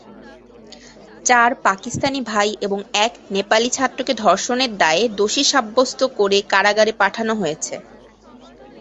চার পাকিস্তানি ভাই এবং এক নেপালি ছাত্রকে ধর্ষণের দায়ে দোষী সাব্যস্ত করে কারাগারে পাঠানো হয়েছে।